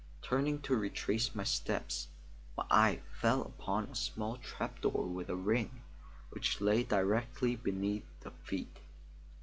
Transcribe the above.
Turning to retrace my steps, my eye fell upon a small trap door with a ring, which lay directly beneath my feet.